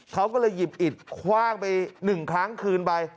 เขาก็เลยหยิบอิดคว่างไป๑ครั้งคืนไป